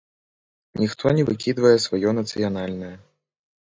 Ніхто не выкідвае сваё нацыянальнае.